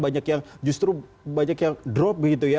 banyak yang justru banyak yang drop begitu ya